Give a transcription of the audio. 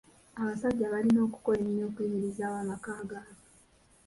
Abasajja balina okukola ennyo okuyimirizaawo amaka gaabwe.